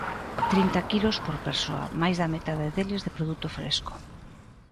Trinta quilos por persoa, máis da metade deles de produto fresco.